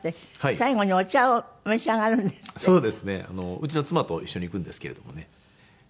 うちの妻と一緒に行くんですけれどもね。